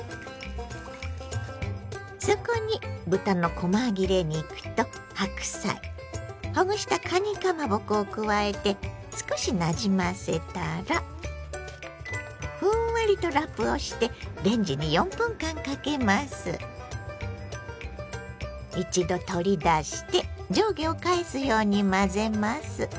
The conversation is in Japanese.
そこに豚のこま切れ肉と白菜ほぐしたかにかまぼこを加えて少しなじませたらふんわりとラップをして一度取り出して上下を返すように混ぜます。